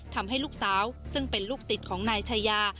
ทำให้ลูกสาวซึ่งเป็นลูกติดของนายชายา